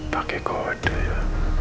pak gekot doya